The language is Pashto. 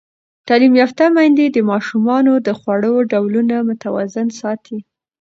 تعلیم یافته میندې د ماشومانو د خوړو ډولونه متوازن ساتي.